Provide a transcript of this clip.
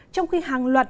trong khi hàng loạt